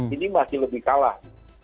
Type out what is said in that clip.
ini masih lebih kalah